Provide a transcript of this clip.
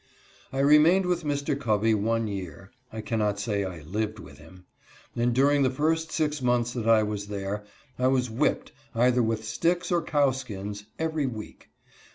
I remained with Mr. Covey one year (I cannot say I lived with him), and during the first six months that I was there I was whipped, either with sticks or cow skins, every week.